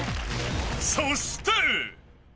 そして。